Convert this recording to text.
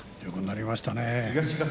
よくなりましたね。